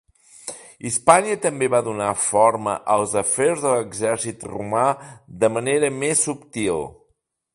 Hispània també va donar forma als afers de l'exèrcit romà de manera més subtil.